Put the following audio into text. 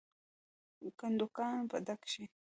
کندوګان به ډک شي.